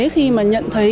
khi mà nhận thấy